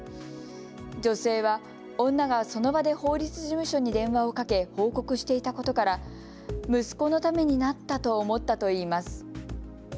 女性は、女がその場で法律事務所に電話をかけ報告していたことから息子のためになったと思ったといいます。